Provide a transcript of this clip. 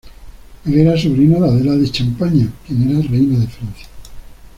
Él era sobrino de Adela de Champaña, quien era reina de Francia.